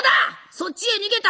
そっちへ逃げた！